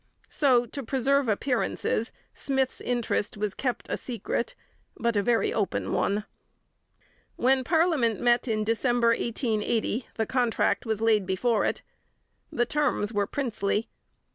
So, to preserve appearances, Smith's interest was kept a secret but a very open one. When parliament met in December 1880 the contract was laid before it. The terms were princely.